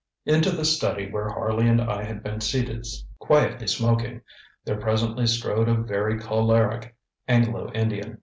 Into the study where Harley and I had been seated quietly smoking, there presently strode a very choleric Anglo Indian.